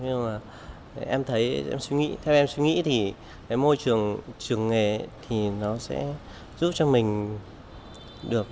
nhưng mà em thấy em suy nghĩ theo em suy nghĩ thì cái môi trường trường nghề thì nó sẽ giúp cho mình được